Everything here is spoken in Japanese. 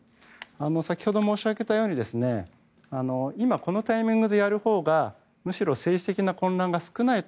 先ほど申し上げたように今、このタイミングでやるほうがむしろ政治的な混乱が少ないと